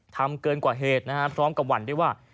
ทำเกินกว่าเหตุนะครับพร้อมกับหวั่นด้วยว่า